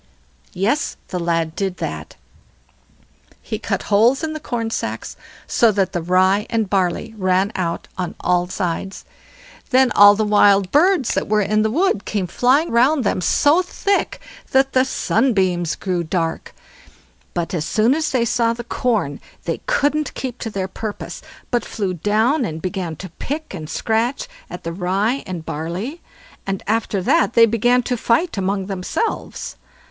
Yes! the lad did that; he cut holes in the corn sacks, so that the rye and barley ran out on all sides. Then all the wild birds that were in the wood came flying round them so thick that the sunbeams grew dark; but as soon as they saw the corn, they couldn't keep to their purpose, but flew down and began to pick and scratch at the rye and barley, and after that they began to fight among themselves.